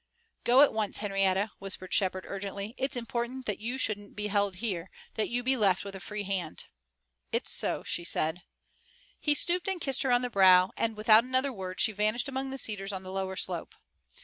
"Go at once, Henrietta," whispered Shepard, urgently. "It's important that you shouldn't be held here, that you be left with a free hand." "It's so," she said. He stooped and kissed her on the brow, and, without another word, she vanished among the cedars on the lower slope.